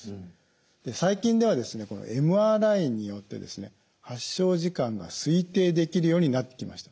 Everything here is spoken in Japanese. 最近ではこのＭＲＩによってですね発症時間が推定できるようになってきました。